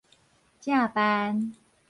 正範